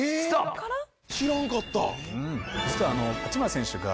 実は八村選手が。